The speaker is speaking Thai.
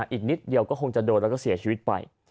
อีกนิดเดียวก็คงจะโดนแล้วก็เสียชีวิตไป